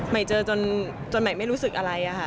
เจอจนใหม่ไม่รู้สึกอะไรอะค่ะ